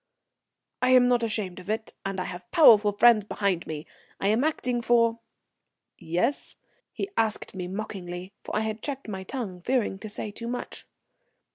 "I'm not ashamed of it, and I have powerful friends behind me. I am acting for " "Yes?" he asked me mockingly, for I had checked my tongue, fearing to say too much.